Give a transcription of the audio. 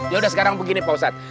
yaudah sekarang begini pak ustadz